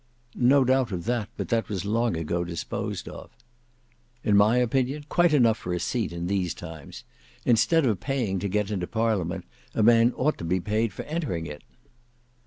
"No doubt of that, but that was long ago disposed of." "In my opinion quite enough for a seat in these times. Instead of paying to get into Parliament, a man ought to be paid for entering it."